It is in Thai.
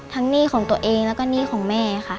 หนี้ของตัวเองแล้วก็หนี้ของแม่ค่ะ